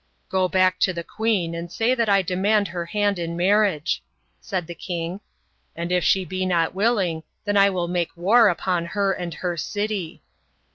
" Go back to the queen and say that I demand her hand in marriage," said the king ;" and if she be not willing, then I will make war upon her and her city."